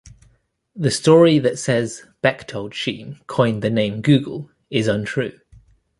The story that says Bechtolsheim coined the name "Google" is untrue.